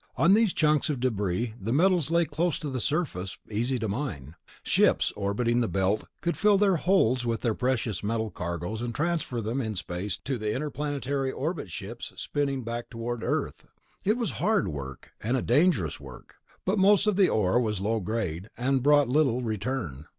On these chunks of debris, the metals lay close to the surface, easy to mine. Ships orbiting in the Belt could fill their holds with their precious metal cargoes and transfer them in space to the interplanetary orbit ships spinning back toward Earth. It was hard work, and dangerous work; most of the ore was low grade, and brought little return.